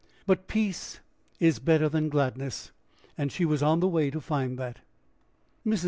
But peace is better than gladness, and she was on the way to find that. Mrs.